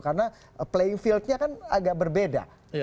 karena playing fieldnya kan agak berbeda